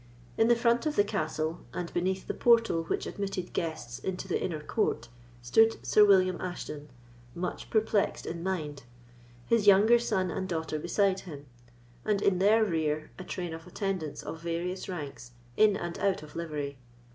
In the front of the castle, and beneath the portal which admitted guests into the inner court, stood Sir William Ashton, much perplexed in mind, his younger son and daughter beside him, and in their rear a train of attendants of various ranks, in and out of livery.